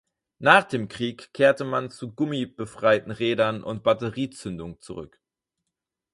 Nach dem Krieg kehrte man zu gummibereiften Rädern und Batteriezündung zurück.